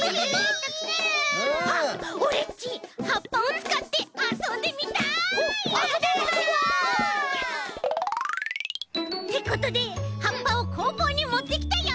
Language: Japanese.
オレっちはっぱをつかってあそんでみたい！あそぼうあそぼう！ってことではっぱを工房にもってきたよ。